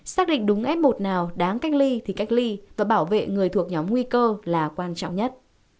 xác định đúng f một nào đáng cách ly thì cách ly và bảo vệ người thuộc nhóm nguy cơ là quan trọng nhất